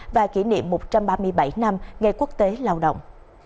và kỷ niệm một trăm ba mươi bảy năm ngày quốc tế lao động